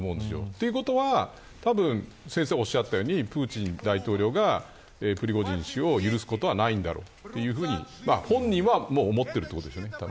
ということは先生がおっしゃったようにプーチン大統領がプリゴジン氏を許すことはないだろうというふうに本人は思っているということですよね。